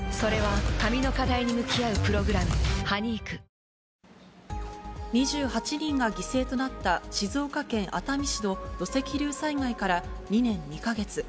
「アサヒスーパードライ」２８人が犠牲となった静岡県熱海市の土石流災害から２年２か月。